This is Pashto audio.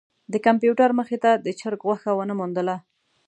د کمپیوټر مخې ته د چرک غوښه ونه موندله.